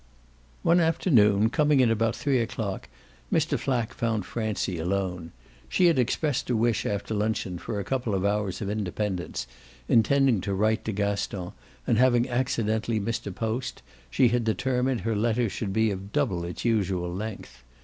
One afternoon, coming in about three o'clock, Mr. Flack found Francie alone. She had expressed a wish after luncheon for a couple of hours of independence: intending to write to Gaston, and having accidentally missed a post, she had determined her letter should be of double its usual length.